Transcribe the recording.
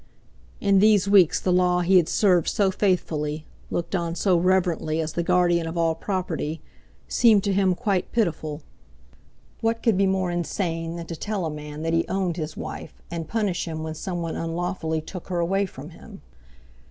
In these weeks the Law he had served so faithfully, looked on so reverently as the guardian of all property, seemed to him quite pitiful. What could be more insane than to tell a man that he owned his wife, and punish him when someone unlawfully took her away from him?